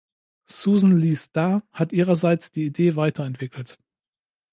Susan Leigh Star hat ihrerseits die Idee weiterentwickelt.